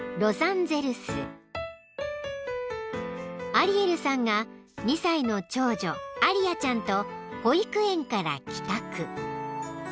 ［アリエルさんが２歳の長女アリヤちゃんと保育園から帰宅］